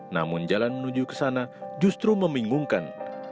namun jalan menuju ke sana justru membingungkan